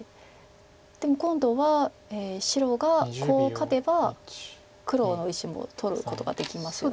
でも今度は白がコウを勝てば黒の石も取ることができますよね。